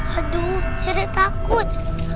aduh sedih takut